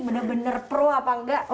bener bener pro apa nggak